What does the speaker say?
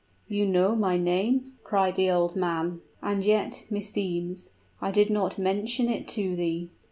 you know my name!" cried the old man. "And yet, meseems, I did not mention it to thee."